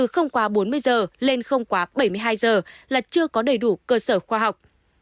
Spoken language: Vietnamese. không quá bốn mươi giờ lên không quá bảy mươi hai giờ là chưa có đầy đủ cơ sở khoa học